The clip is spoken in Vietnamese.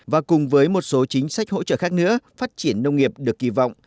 và cùng với một số chính sách hỗ trợ khác nữa phát triển nông nghiệp được kỳ vọng